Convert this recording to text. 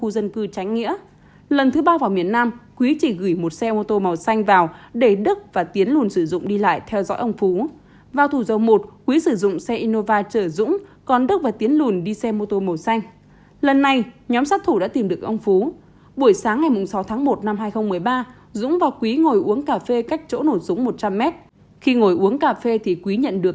hai nghìn một mươi ba dũng và quý ngồi uống cà phê cách chỗ nổ súng một trăm linh m khi ngồi uống cà phê thì quý nhận được